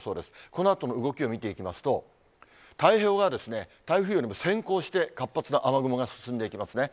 このあとの動きを見ていきますと、太平洋側ですね、台風よりも先行して、活発が雨雲が進んでいきますね。